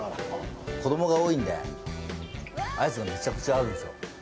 子供が多いので、アイスがめちゃくちゃあるんですよ。